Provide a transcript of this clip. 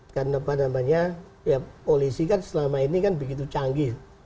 karena polisi kan selama ini begitu canggih